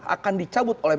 akan dicabut oleh